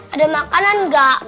ada makanan tidak